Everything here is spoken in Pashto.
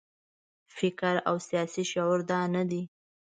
فکر او سیاسي شعور دا نه دی.